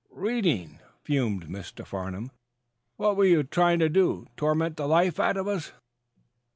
"Reading?" fumed Mr. Farnum. "What were you trying to do? Torment the life out of us?"